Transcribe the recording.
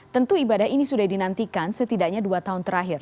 tentu ibadah ini sudah dinantikan setidaknya dua tahun terakhir